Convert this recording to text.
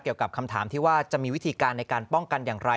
เกี่ยวกับคำถามที่ว่าจะมีวิธีการในการป้องกันอย่างไร